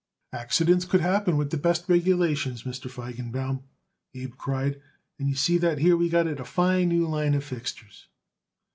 "Accidents could happen with the best regulations, Mr. Feigenbaum," Abe cried, "and you see that here we got it a fine new line of fixtures."